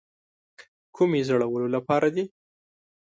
کومې زړولو لپاره دي.